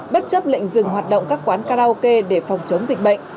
bất chấp lệnh dừng hoạt động các quán karaoke để phòng chống dịch bệnh